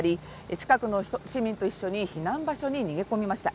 近くの人市民と一緒に避難場所に逃げ込みました